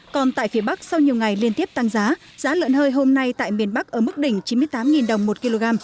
còn tại phía bắc sau nhiều ngày liên tiếp tăng giá giá lợn hơi hôm nay tại miền bắc ở mức đỉnh chín mươi tám đồng một kg